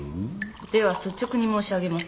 では率直に申し上げます。